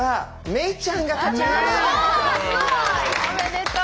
おめでとう。